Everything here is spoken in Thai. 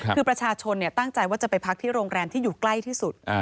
คือประชาชนตั้งใจว่าจะไปพักที่โรงแรมที่อยู่ใกล้ที่สุด